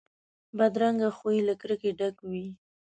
بدرنګه خوی له کرکې ډک وي